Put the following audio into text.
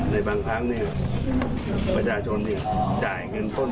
ในบางครั้งประชาชนจ่ายเงินต้น